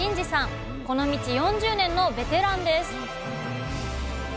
この道４０年のベテランです